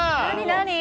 何、何？